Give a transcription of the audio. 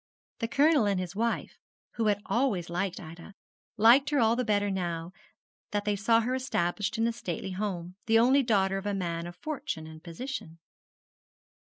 The Colonel and his wife, who had always liked Ida, liked her all the better now that they saw her established in a stately home the only daughter of a man of fortune and position.